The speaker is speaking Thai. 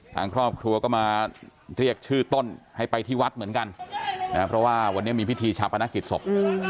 ทางครอบครัวก็มาเรียกชื่อต้นให้ไปที่วัดเหมือนกันนะเพราะว่าวันนี้มีพิธีชาปนกิจศพ